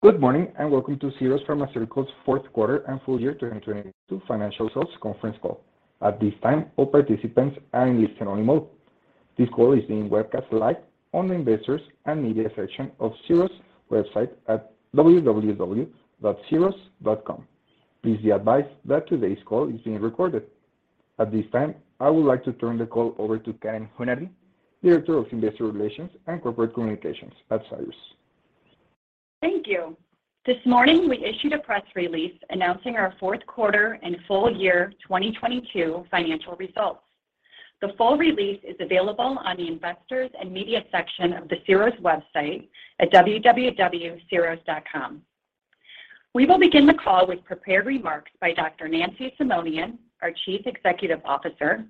Good morning, and welcome to Syros Pharmaceuticals' fourth quarter and full year 2022 financial results conference call. At this time, all participants are in listen-only mode. This call is being webcast live on the Investors and Media section of Syros' website at www.syros.com. Please be advised that today's call is being recorded. At this time, I would like to turn the call over to Karen Hunady, Director of Investor Relations and Corporate Communications at Syros. Thank you. This morning, we issued a press release announcing our fourth quarter and full year 2022 financial results. The full release is available on the Investors and Media section of the Syros website at www.syros.com. We will begin the call with prepared remarks by Dr. Nancy Simonian, our Chief Executive Officer;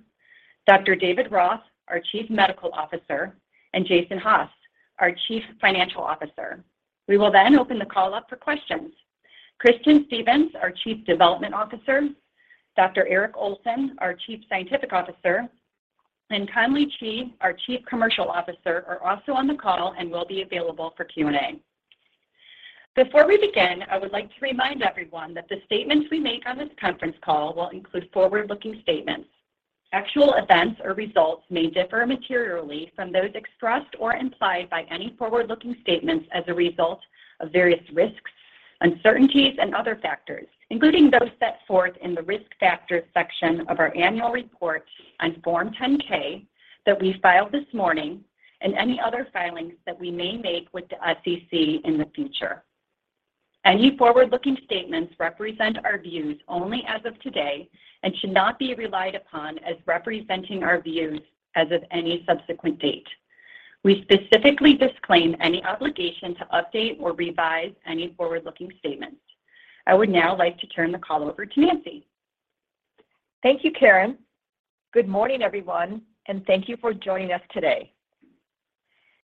Dr. David Roth, our Chief Medical Officer; and Jason Haas, our Chief Financial Officer. We will then open the call up for questions. Christian Stevens, our Chief Development Officer, Dr. Eric Olson, our Chief Scientific Officer, and Conley Chee, our Chief Commercial Officer, are also on the call and will be available for Q&A. Before we begin, I would like to remind everyone that the statements we make on this conference call will include forward-looking statements. Actual events or results may differ materially from those expressed or implied by any forward-looking statements as a result of various risks, uncertainties, and other factors, including those set forth in the Risk Factors section of our annual report on Form 10-K that we filed this morning, and any other filings that we may make with the SEC in the future. Any forward-looking statements represent our views only as of today and should not be relied upon as representing our views as of any subsequent date. We specifically disclaim any obligation to update or revise any forward-looking statements. I would now like to turn the call over to Nancy. Thank you, Karen. Good morning, everyone, and thank you for joining us today.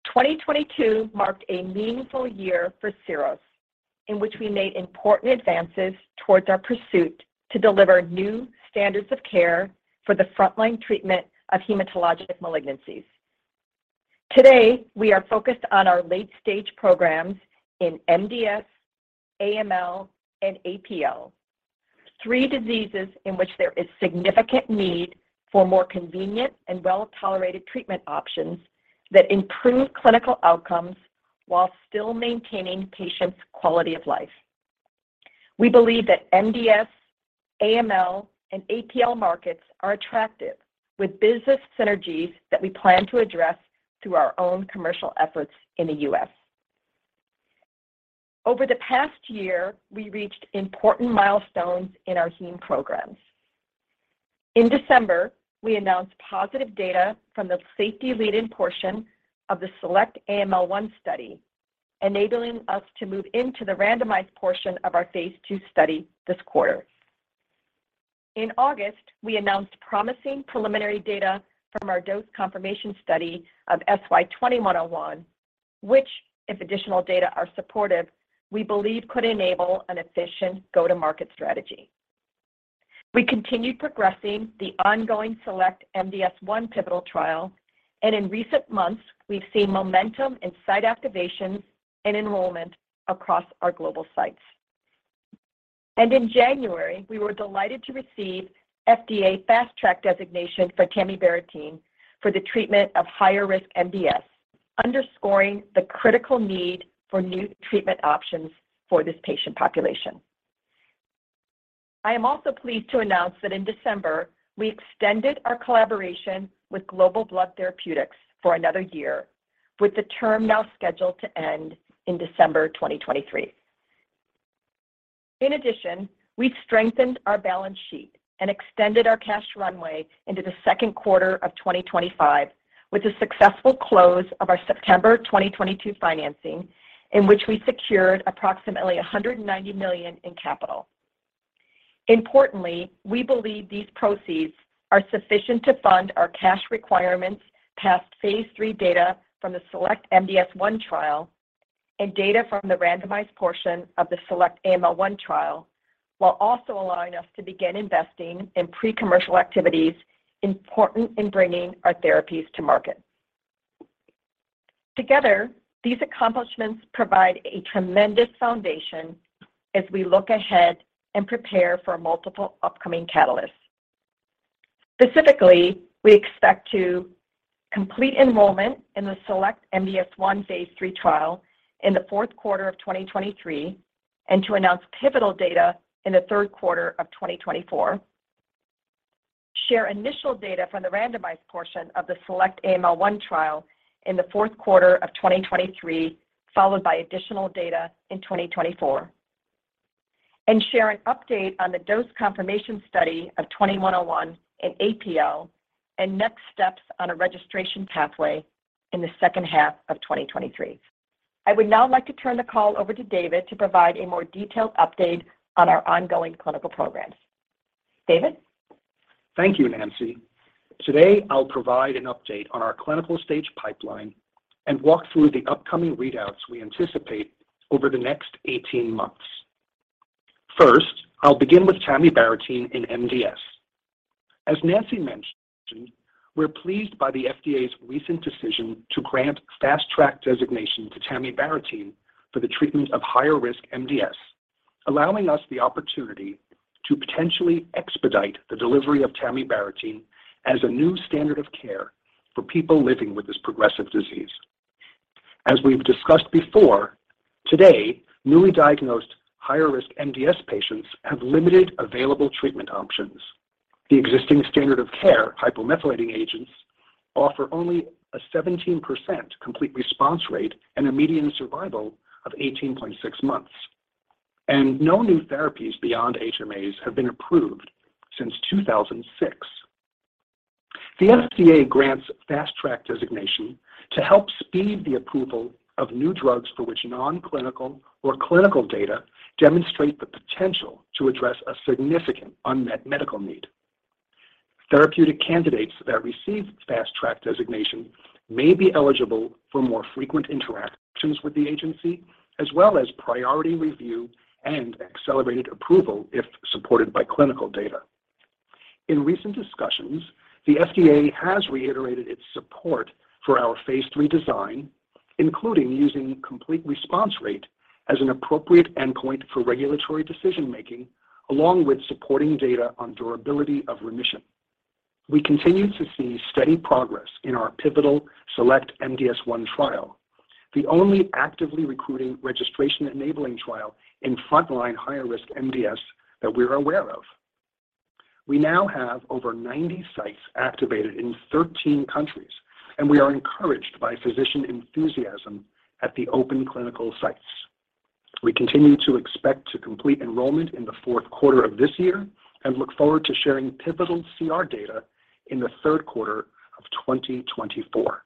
2022 marked a meaningful year for Syros in which we made important advances towards our pursuit to deliver new standards of care for the frontline treatment of hematologic malignancies. Today, we are focused on our late-stage programs in MDS, AML, and APL, three diseases in which there is significant need for more convenient and well-tolerated treatment options that improve clinical outcomes while still maintaining patients' quality of life. We believe that MDS, AML, and APL markets are attractive, with business synergies that we plan to address through our own commercial efforts in the U.S. Over the past year, we reached important milestones in our Heme programs. In December, we announced positive data from the safety lead-in portion of the SELECT-AML-1 study, enabling us to move into the randomized portion of our phase I study this quarter. In August, we announced promising preliminary data from our dose confirmation study of SY-2101, which, if additional data are supportive, we believe could enable an efficient go-to-market strategy. We continued progressing the ongoing SELECT-MDS-1 pivotal trial, and in recent months, we've seen momentum in site activations and enrollment across our global sites. In January, we were delighted to receive FDA Fast Track designation for tamibarotene for the treatment of higher-risk MDS, underscoring the critical need for new treatment options for this patient population. I am also pleased to announce that in December, we extended our collaboration with Global Blood Therapeutics for another year, with the term now scheduled to end in December 2023. In addition, we strengthened our balance sheet and extended our cash runway into the second quarter of 2025 with the successful close of our September 2022 financing, in which we secured approximately $190 million in capital. Importantly, we believe these proceeds are sufficient to fund our cash requirements past phase three data from the SELECT-MDS-1 trial and data from the randomized portion of the SELECT-AML-1 trial, while also allowing us to begin investing in pre-commercial activities important in bringing our therapies to market. Together, these accomplishments provide a tremendous foundation as we look ahead and prepare for multiple upcoming catalysts. Specifically, we expect to complete enrollment in the SELECT-MDS-1 phase III trial in the fourth quarter of 2023 and to announce pivotal data in the third quarter of 2024. Share initial data from the randomized portion of the SELECT-AML-1 trial in the fourth quarter of 2023, followed by additional data in 2024. Share an update on the dose confirmation study of SY-2101 in APL and next steps on a registration pathway in the second half of 2023. I would now like to turn the call over to David to provide a more detailed update on our ongoing clinical programs. David? Thank you, Nancy. Today, I'll provide an update on our clinical-stage pipeline and walk through the upcoming readouts we anticipate over the next 18 months. First, I'll begin with tamibarotene in MDS. As Nancy mentioned, we're pleased by the FDA's recent decision to grant Fast Track designation to tamibarotene for the treatment of higher-risk MDS, allowing us the opportunity to potentially expedite the delivery of tamibarotene as a new standard of care for people living with this progressive disease. As we've discussed before, today, newly diagnosed higher-risk MDS patients have limited available treatment options. The existing standard of care, hypomethylating agents, offer only a 17% complete response rate and a median survival of 18.6 months. No new therapies beyond HMAs have been approved since 2006. The FDA grants Fast Track designation to help speed the approval of new drugs for which non-clinical or clinical data demonstrate the potential to address a significant unmet medical need. Therapeutic candidates that receive Fast Track designation may be eligible for more frequent interactions with the agency as well as priority review and accelerated approval if supported by clinical data. In recent discussions, the FDA has reiterated its support for our phase III design, including using complete response rate as an appropriate endpoint for regulatory decision-making along with supporting data on durability of remission. We continue to see steady progress in our pivotal SELECT-MDS-1 trial, the only actively recruiting registration-enabling trial in frontline higher-risk MDS that we're aware of. We now have over 90 sites activated in 13 countries, and we are encouraged by physician enthusiasm at the open clinical sites. We continue to expect to complete enrollment in the fourth quarter of this year and look forward to sharing pivotal CR data in the third quarter of 2024.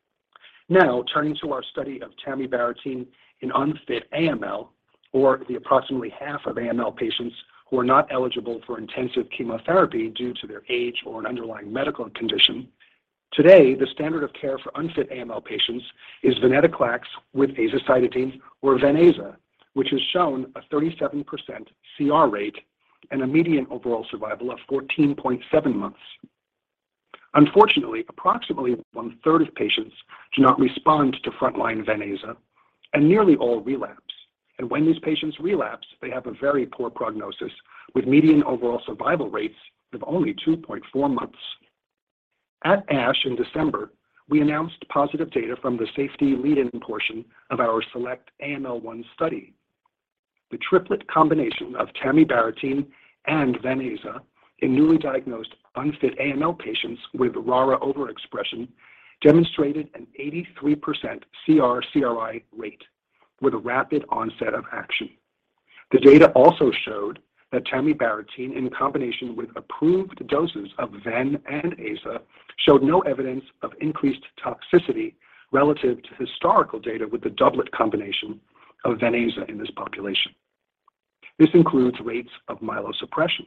Turning to our study of tamibarotene in unfit AML, or the approximately half of AML patients who are not eligible for intensive chemotherapy due to their age or an underlying medical condition. Today, the standard of care for unfit AML patients is venetoclax with azacitidine or VenAza, which has shown a 37% CR rate and a median overall survival of 14.7 months. Unfortunately, approximately one-third of patients do not respond to frontline VenAza and nearly all relapse. When these patients relapse, they have a very poor prognosis with median overall survival rates of only 2.4 months. At ASH in December, we announced positive data from the safety lead-in portion of our SELECT-AML-1 study. The triplet combination of tamibarotene and VenAza in newly diagnosed unfit AML patients with RARA overexpression demonstrated an 83% CR/CRi rate with a rapid onset of action. The data also showed that tamibarotene in combination with approved doses of ven and aza showed no evidence of increased toxicity relative to historical data with the doublet combination of VenAza in this population. This includes rates of myelosuppression.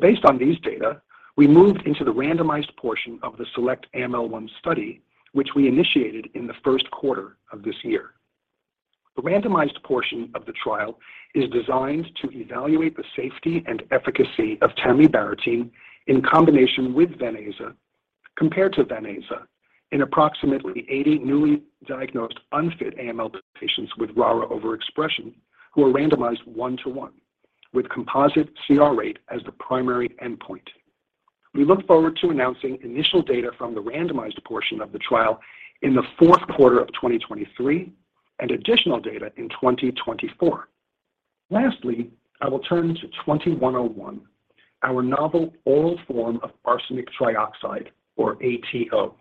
Based on these data, we moved into the randomized portion of the SELECT-AML-1 study, which we initiated in the first quarter of this year. The randomized portion of the trial is designed to evaluate the safety and efficacy of tamibarotene in combination with VenAza compared to VenAza in approximately 80 newly diagnosed unfit AML patients with RARA overexpression who are randomized 1-to-1 with composite CR rate as the primary endpoint. We look forward to announcing initial data from the randomized portion of the trial in the fourth quarter of 2023 and additional data in 2024. Lastly, I will turn to SY-2101, our novel oral form of arsenic trioxide or ATO,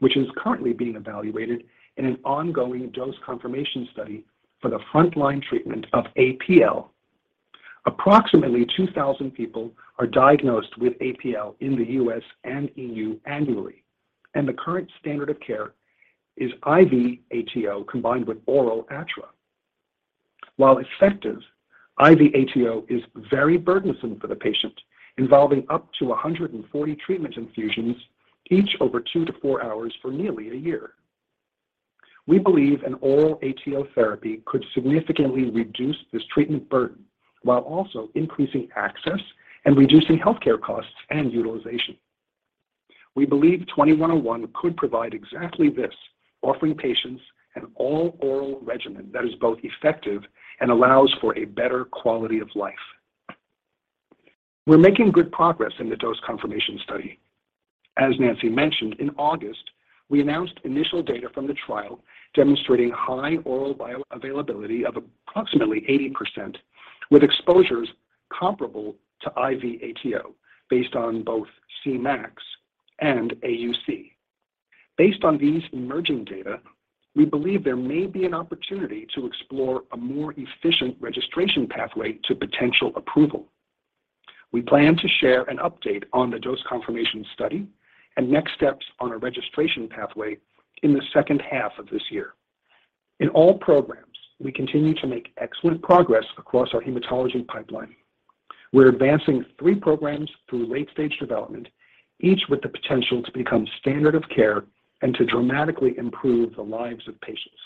which is currently being evaluated in an ongoing dose confirmation study for the frontline treatment of APL. Approximately 2,000 people are diagnosed with APL in the U.S. and E.U. annually, and the current standard of care is IV ATO combined with oral ATRA. While effective, IV ATO is very burdensome for the patient, involving up to 140 treatment infusions, each over two-four hours for nearly a year. We believe an oral ATO therapy could significantly reduce this treatment burden while also increasing access and reducing healthcare costs and utilization. We believe twenty one oh one could provide exactly this, offering patients an all-oral regimen that is both effective and allows for a better quality of life. We're making good progress in the dose confirmation study. As Nancy mentioned, in August, we announced initial data from the trial demonstrating high oral bioavailability of approximately 80% with exposures comparable to IV ATO based on both Cmax and AUC. Based on these emerging data, we believe there may be an opportunity to explore a more efficient registration pathway to potential approval. We plan to share an update on the dose confirmation study and next steps on a registration pathway in the second half of this year. In all programs, we continue to make excellent progress across our hematology pipeline. We're advancing three programs through late-stage development, each with the potential to become standard of care and to dramatically improve the lives of patients.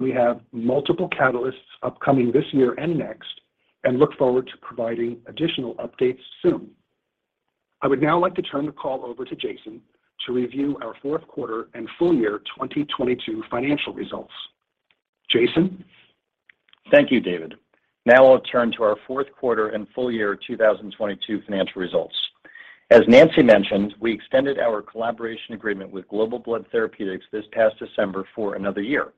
We have multiple catalysts upcoming this year and next and look forward to providing additional updates soon. I would now like to turn the call over to Jason to review our fourth quarter and full year 2022 financial results. Jason? Thank you, David. I'll turn to our fourth quarter and full year 2022 financial results. As Nancy mentioned, we extended our collaboration agreement with Global Blood Therapeutics this past December for another year.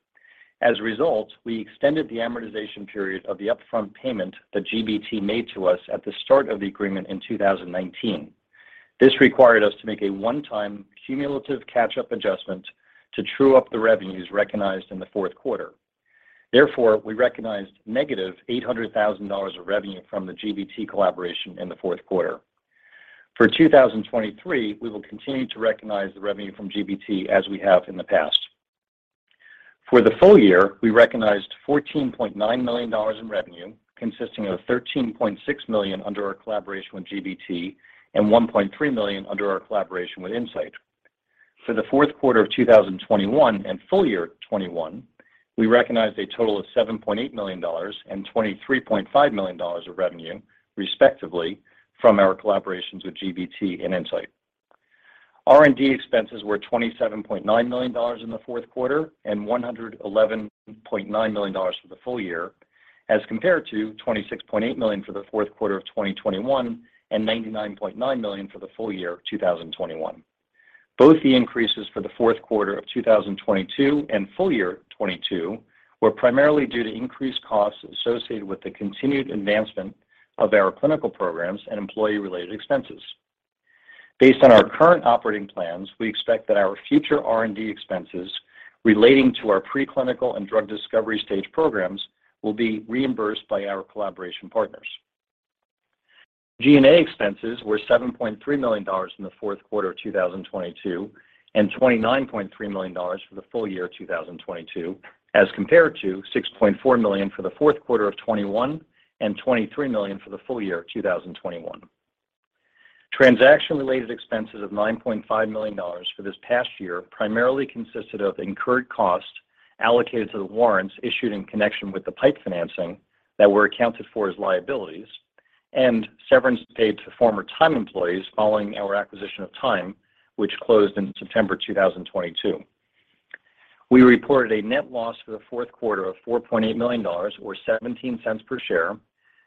We extended the amortization period of the upfront payment that GBT made to us at the start of the agreement in 2019. This required us to make a one-time cumulative catch-up adjustment to true up the revenues recognized in the fourth quarter. We recognized -$800,000 of revenue from the GBT collaboration in the fourth quarter. For 2023, we will continue to recognize the revenue from GBT as we have in the past. For the full year, we recognized $14.9 million in revenue, consisting of $13.6 million under our collaboration with GBT and $1.3 million under our collaboration with Incyte. For the fourth quarter of 2021 and full year 2021, we recognized a total of $7.8 million and $23.5 million of revenue, respectively, from our collaborations with GBT and Incyte. R&D expenses were $27.9 million in the fourth quarter and $111.9 million for the full year as compared to $26.8 million for the fourth quarter of 2021 and $99.9 million for the full year 2021. Both the increases for the fourth quarter of 2022 and full year 2022 were primarily due to increased costs associated with the continued advancement of our clinical programs and employee-related expenses. Based on our current operating plans, we expect that our future R&D expenses relating to our preclinical and drug discovery stage programs will be reimbursed by our collaboration partners. G&A expenses were $7.3 million in the fourth quarter of 2022 and $29.3 million for the full year 2022, as compared to $6.4 million for the fourth quarter of 2021 and $23 million for the full year 2021. Transaction-related expenses of $9.5 million for this past year primarily consisted of incurred costs allocated to the warrants issued in connection with the PIPE financing that were accounted for as liabilities and severance paid to former Tyme employees following our acquisition of Tyme, which closed in September 2022. We reported a net loss for the fourth quarter of $4.8 million or $0.17 per share,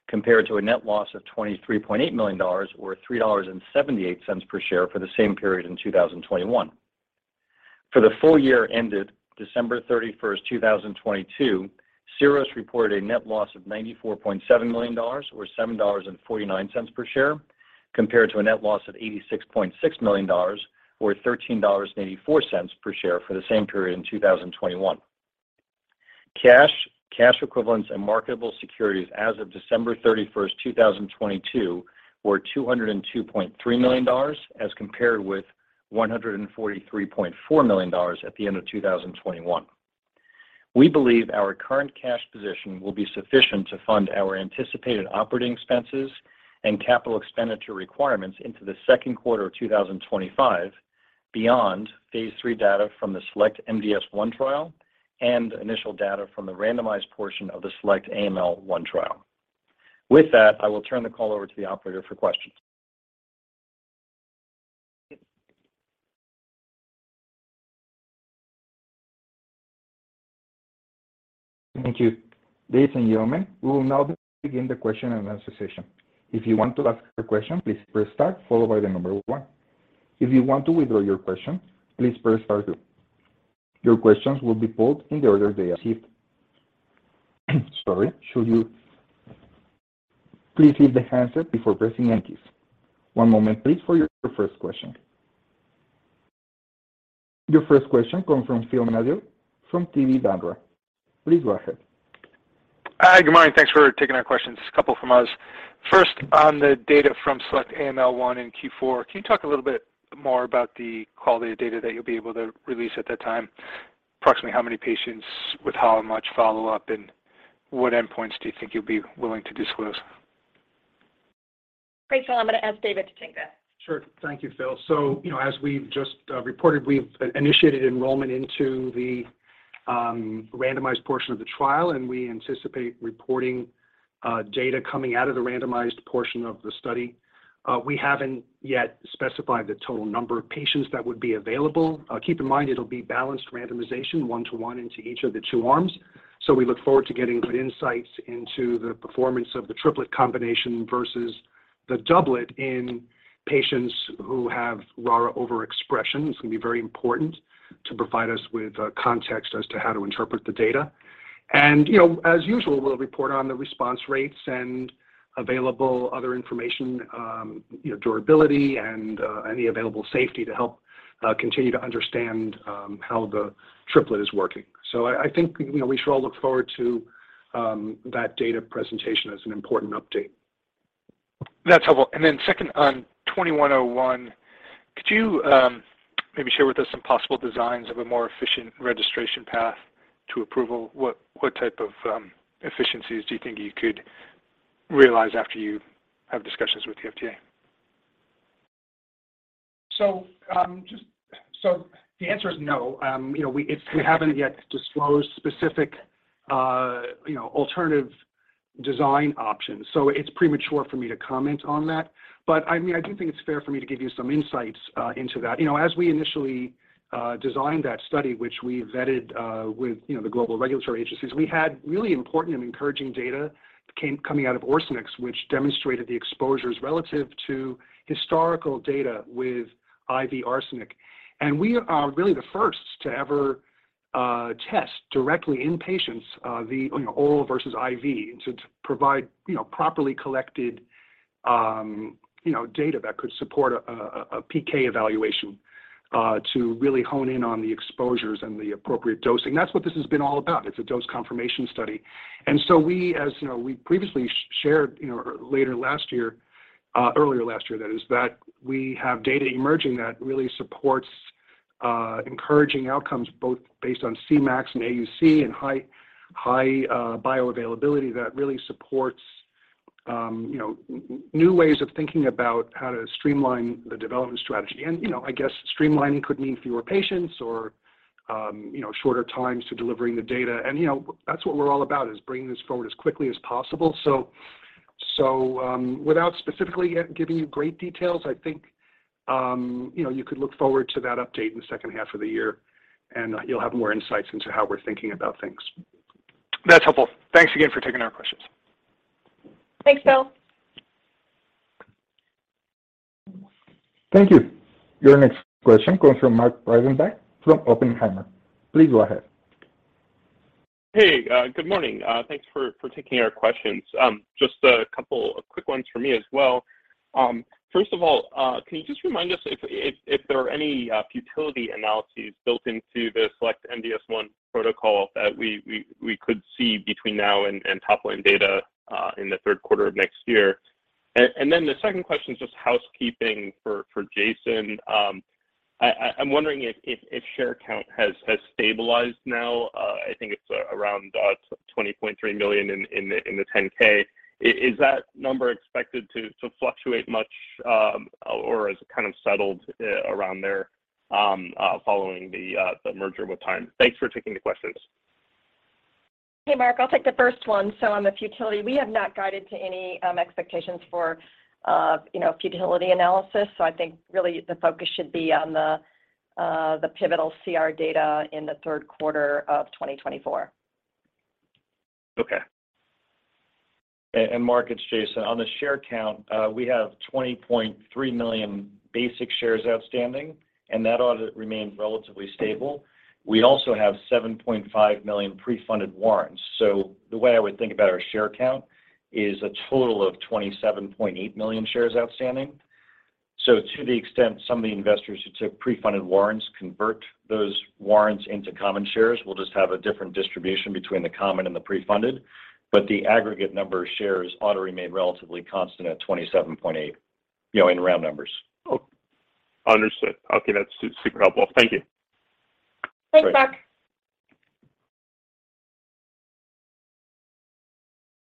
compared to a net loss of $23.8 million or $3.78 per share for the same period in 2021. For the full year ended December 31st, 2022, Syros reported a net loss of $94.7 million or $7.49 per share, compared to a net loss of $86.6 million or $13.84 per share for the same period in 2021. Cash, cash equivalents and marketable securities as of December 31st, 2022 were $202.3 million, as compared with $143.4 million at the end of 2021. We believe our current cash position will be sufficient to fund our anticipated operating expenses and capital expenditure requirements into the second quarter of 2025 beyond phase three data from the SELECT-MDS-1 trial and initial data from the randomized portion of the SELECT-AML-1 trial. With that, I will turn the call over to the operator for questions. Thank you. Ladies and gentlemen, we will now begin the question and answer session. If you want to ask a question, please press star followed by the number one. If you want to withdraw your question, please press star two. Your questions will be pulled in the order they are received. Sorry. Should you please leave the handset before pressing anything. One moment please for your first question. Your first question comes from Phil Nadeau from TD Cowen. Please go ahead. Hi, good morning. Thanks for taking our questions. A couple from us. First, on the data from SELECT-AML-1 in Q4, can you talk a little bit more about the quality of data that you'll be able to release at that time? Approximately how many patients with how much follow-up, and what endpoints do you think you'll be willing to disclose? Rachel, I'm going to ask David to take that. Sure. Thank you, Phil. You know, as we've just reported, we've initiated enrollment into the randomized portion of the trial, and we anticipate reporting data coming out of the randomized portion of the study. We haven't yet specified the total number of patients that would be available. Keep in mind it'll be balanced randomization, one to one into each of the two arms. We look forward to getting good insights into the performance of the triplet combination versus the doublet in patients who have RARA overexpression. It's going to be very important to provide us with context as to how to interpret the data. You know, as usual, we'll report on the response rates and available other information, you know, durability and any available safety to help continue to understand how the triplet is working. I think, you know, we should all look forward to that data presentation as an important update. That's helpful. Second, on SY-2101, could you, maybe share with us some possible designs of a more efficient registration path? To approval, what type of efficiencies do you think you could realize after you have discussions with the FDA? The answer is no. You know, we haven't yet disclosed specific, you know, alternative design options, so it's premature for me to comment on that. I mean, I do think it's fair for me to give you some insights into that. You know, as we initially designed that study, which we vetted with, you know, the global regulatory agencies, we had really important and encouraging data coming out of Orsenix, which demonstrated the exposures relative to historical data with IV arsenic. We are really the first to ever test directly in patients, the, you know, oral versus IV to provide, you know, properly collected, you know, data that could support a PK evaluation to really hone in on the exposures and the appropriate dosing. That's what this has been all about. It's a dose confirmation study. We, you know, we previously shared, you know, later last year, earlier last year, that is, that we have data emerging that really supports encouraging outcomes both based on Cmax and AUC and high bioavailability that really supports, you know, new ways of thinking about how to streamline the development strategy. You know, I guess streamlining could mean fewer patients or, you know, shorter times to delivering the data. You know, that's what we're all about, is bringing this forward as quickly as possible. So, without specifically giving you great details, I think, you know, you could look forward to that update in the second half of the year, and you'll have more insights into how we're thinking about things. That's helpful. Thanks again for taking our questions. Thanks, Bill. Thank you. Your next question comes from Mark Breidenbach from Oppenheimer. Please go ahead. Hey, good morning. Thanks for taking our questions. Just a couple of quick ones from me as well. First of all, can you just remind us if there are any futility analyses built into the SELECT-MDS-1 protocol that we could see between now and top line data in the third quarter of next year? The second question is just housekeeping for Jason. I'm wondering if share count has stabilized now. I think it's around 20.3 million in the 10-K. Is that number expected to fluctuate much, or is it kind of settled around there following the merger with Tyme? Thanks for taking the questions. Hey, Mark. I'll take the first one. On the futility, we have not guided to any expectations for, you know, futility analysis. I think really the focus should be on the pivotal CR data in the third quarter of 2024. Okay. Mark, it's Jason. On the share count, we have 20.3 million basic shares outstanding, and that ought to remain relatively stable. We also have 7.5 million pre-funded warrants. The way I would think about our share count is a total of 27.8 million shares outstanding. To the extent some of the investors who took pre-funded warrants convert those warrants into common shares, we'll just have a different distribution between the common and the pre-funded. The aggregate number of shares ought to remain relatively constant at 27.8, you know, in round numbers. Oh, understood. Okay. That's super helpful. Thank you. Thanks, Mark.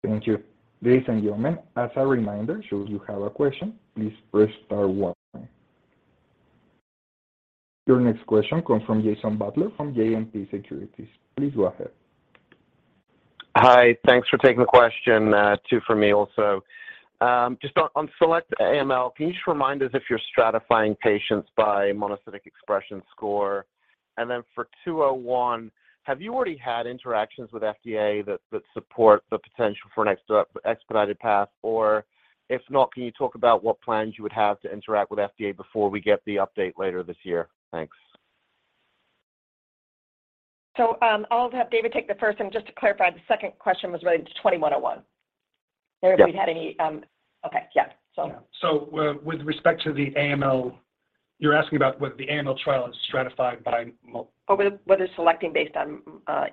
Thank you. Ladies and gentlemen, as a reminder, should you have a question, please press star one. Your next question comes from Jason Butler from JMP Securities. Please go ahead. Hi. Thanks for taking the question, too from me also. Just on SELECT-AML, can you just remind us if you're stratifying patients by monocytic expression score? For 201, have you already had interactions with FDA that support the potential for an expedited path? If not, can you talk about what plans you would have to interact with FDA before we get the update later this year? Thanks. I'll have David take the first one. Just to clarify, the second question was related to SY-2101. Yep. If we had any. Okay. Yeah. So. With respect to the AML, you're asking about whether the AML trial is stratified by? Whether selecting based on,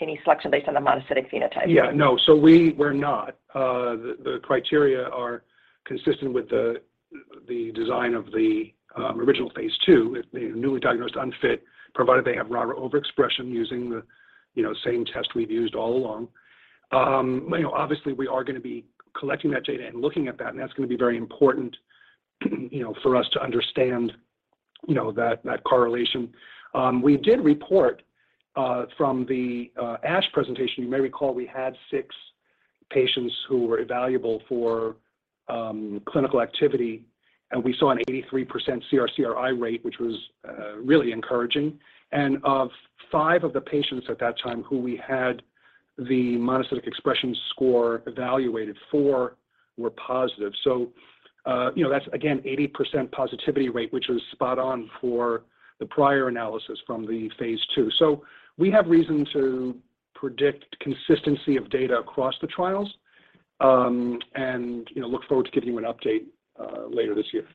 any selection based on the monocytic phenotype. Yeah. No. We're not. The criteria are consistent with the design of the original phase II, you know, newly diagnosed unfit, provided they have RARA overexpression using the, you know, same test we've used all along. Obviously, we are gonna be collecting that data and looking at that, and that's gonna be very important, you know, for us to understand, you know, that correlation. We did report from the ASH presentation. You may recall we had six patients who were evaluable for clinical activity, and we saw an 83% CR CRI rate, which was really encouraging. Of five of the patients at that time who we had the monocytic expression score evaluated, four were positive. You know, that's again 80% positivity rate, which was spot on for the prior analysis from the phase II. We have reason to predict consistency of data across the trials, and, you know, look forward to giving you an update later this year.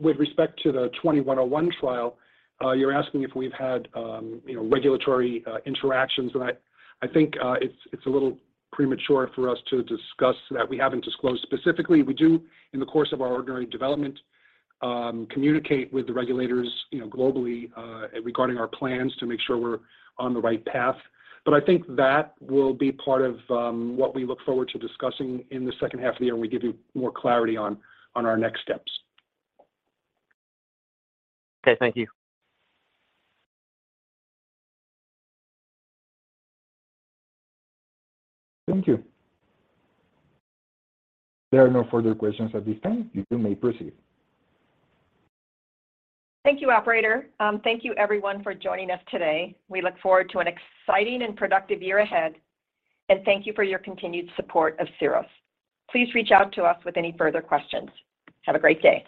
With respect to the SY-2101 trial, you're asking if we've had, you know, regulatory interactions, and I think it's a little premature for us to discuss that. We haven't disclosed specifically. We do, in the course of our ordinary development, communicate with the regulators, you know, globally, regarding our plans to make sure we're on the right path. I think that will be part of what we look forward to discussing in the second half of the year when we give you more clarity on our next steps. Okay. Thank you. Thank you. There are no further questions at this time. You may proceed. Thank you, operator. Thank you everyone for joining us today. We look forward to an exciting and productive year ahead, and thank you for your continued support of Syros. Please reach out to us with any further questions. Have a great day.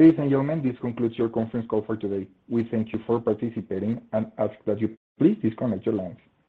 Ladies and gentlemen, this concludes your conference call for today. We thank you for participating and ask that you please disconnect your lines.